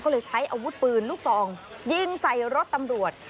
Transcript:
ก็เลยใช้อาวุธปืนลูกซองยิงใส่รถตำรวจ